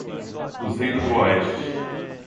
Cruzeiro do Oeste